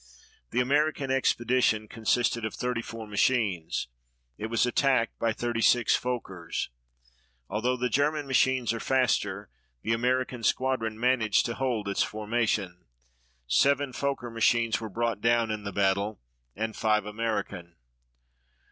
The American expedition consisted of thirty four machines. It was attacked by thirty six Fokkers. Although the German machines are faster, the American squadron managed to hold its formation. Seven Fokker machines were brought down in the battle and five American.